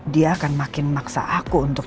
dia akan makin memaksa aku untuk